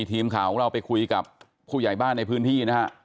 ทีมข่าวของเราไปคุยกับผู้ใหญ่บ้านในพื้นที่นะฮะ